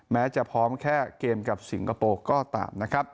แม้จะพร้อมแค่เกมกับสิงคโปร์ก็ตามนะครับ